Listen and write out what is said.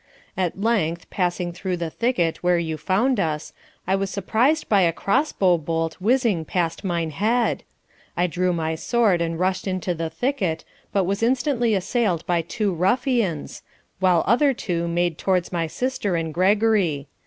At length, passing through the thicket where you found us, I was surprised by a cross bow bolt whizzing past mine head. I drew my sword and rushed into the thicket, but was instantly assailed by two ruffians, while other two made towards my sister and Gregory.